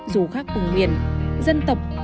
dù khác cùng nguyện dân tộc